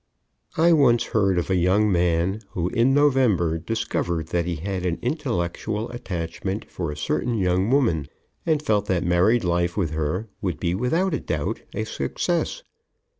I once heard of a young man who in November discovered that he had an intellectual attachment for a certain young woman and felt that married life with her would be without doubt a success.